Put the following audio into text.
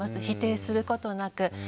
否定することなく。